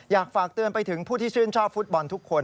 อยากฝากเตือนไปถึงผู้ที่ชื่นชอบฟุตบอลทุกคน